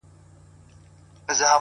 كېداى سي بيا ديدن د سر په بيه وټاكل سي،